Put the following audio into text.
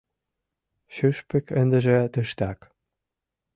Шӱшпык ындыже тыштак.